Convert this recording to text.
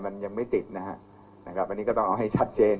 มันยังไม่ติดนะฮะนะครับอันนี้ก็ต้องเอาให้ชัดเจน